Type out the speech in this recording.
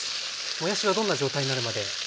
もやしはどんな状態になるまで焼きますか？